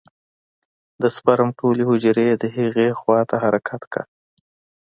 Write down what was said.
د سپرم ټولې حجرې د هغې خوا ته حرکت کا.